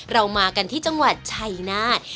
เรามากันที่จังหวัดชัยนาธ